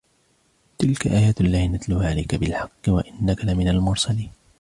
تلك آيات الله نتلوها عليك بالحق وإنك لمن المرسلين